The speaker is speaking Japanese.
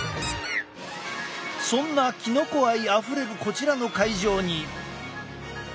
そんなキノコ愛あふれるこちらの会場に。